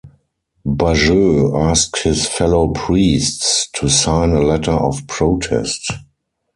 Bajeux asked his fellow priests to sign a letter of protest.